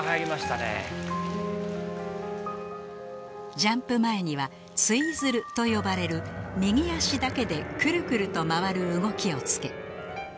ジャンプ前にはツイズルと呼ばれる右足だけでクルクルと回る動きをつけ